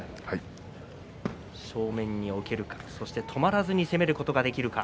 正面に置けるか止まらずに攻めることができるか。